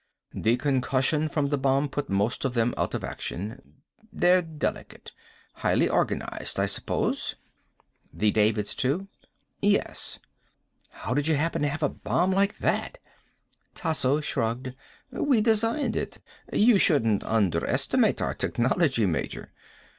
"The concussion from the bomb put most of them out of action. They're delicate. Highly organized, I suppose." "The Davids, too?" "Yes." "How did you happen to have a bomb like that?" Tasso shrugged. "We designed it. You shouldn't underestimate our technology, Major.